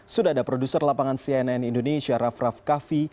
sudah ada produser lapangan cnn indonesia raff raff kaffi